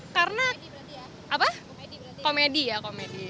karena komedi ya komedi